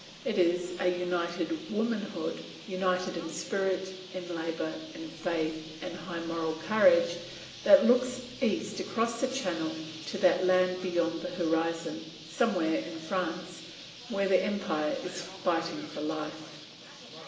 It is a united womanhood, united in spirit, in labour, in faith and high moral courage, that looks east across the Channel to that land beyond the horizon, "somewhere in France," where the Empire is fighting for life.